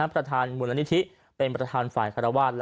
ประธานมูลนิธิเป็นประธานฝ่ายคารวาส